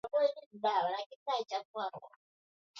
Msichana anainama